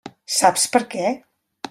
Saps per què?